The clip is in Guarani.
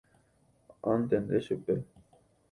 Antende chupe.